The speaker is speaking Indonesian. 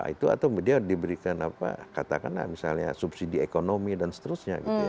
itu atau dia diberikan apa katakanlah misalnya subsidi ekonomi dan seterusnya gitu